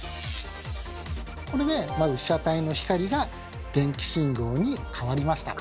これでまず被写体の光が電気信号にかわりました。